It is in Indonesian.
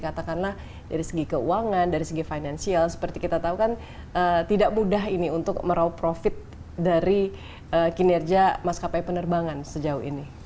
katakanlah dari segi keuangan dari segi finansial seperti kita tahu kan tidak mudah ini untuk merauh profit dari kinerja maskapai penerbangan sejauh ini